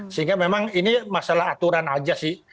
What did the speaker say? sehingga memang ini masalah aturan aja sih